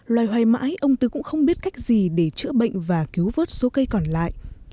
loài hoay mãi ông tứ cũng không biết cách gì để chữa bệnh và cứu vớt số cây còn lại